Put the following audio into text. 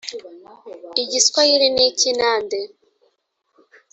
Igiswahili n’iki Nande